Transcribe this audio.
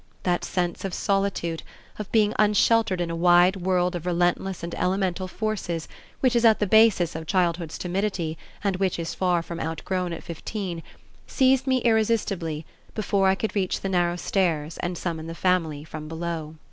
That sense of solitude, of being unsheltered in a wide world of relentless and elemental forces which is at the basis of childhood's timidity and which is far from outgrown at fifteen, seized me irresistibly before I could reach the narrow stairs and summon the family from below.